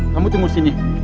kamu tunggu sini